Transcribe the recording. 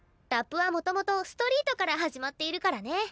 ラップはもともとストリートから始まっているからね。